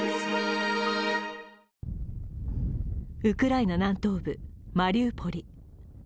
ウクライナ南東部マリウポリ。